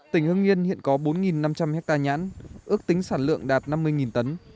tỉnh hương nhiên hiện có bốn năm trăm linh hectare nhãn ước tính sản lượng đạt năm mươi tấn